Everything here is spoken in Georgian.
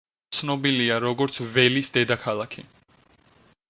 ცნობილია როგორც „ველის დედაქალაქი“.